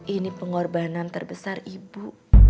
ini pengorbanan terbesar ibu